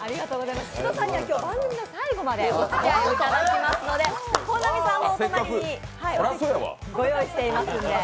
宍戸さんには番組の最後までおつきあいいただきますので本並さんのお隣にお席をご用意していますので。